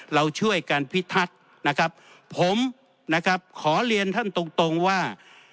เราช่วยกันพิทักษ์นะครับผมนะครับขอเรียนท่านตรงตรงว่า